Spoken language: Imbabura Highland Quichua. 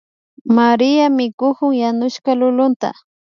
María mikukun yanushka lulunta